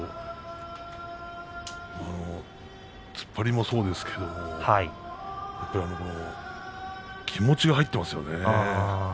突っ張りもそうですけど気持ちが入ってますよね。